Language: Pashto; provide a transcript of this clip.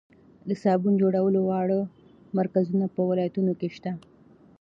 د صابون جوړولو واړه مرکزونه په ولایتونو کې شته.